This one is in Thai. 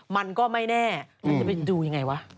มันก็ไม่แน่แล้วจะไปดูยังไงวะ